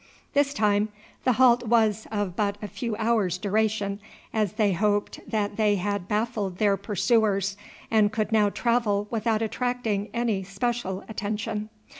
This time the halt was of but a few hours' duration, as they hoped that they had baffled their pursuers and could now travel without attracting any special attention.